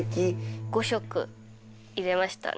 ５色入れましたね